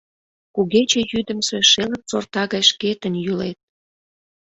Кугече йӱдымсӧ шелык сорта гай шкетын йӱлет.